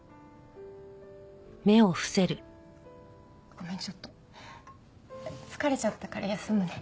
ごめんちょっと疲れちゃったから休むね。